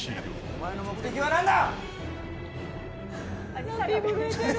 お前の目的はなんだ！